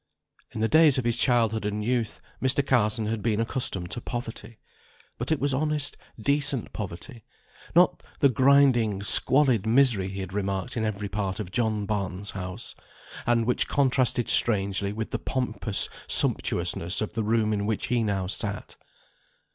In the days of his childhood and youth, Mr. Carson had been accustomed to poverty; but it was honest, decent poverty; not the grinding squalid misery he had remarked in every part of John Barton's house, and which contrasted strangely with the pompous sumptuousness of the room in which he now sat.